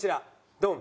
ドン。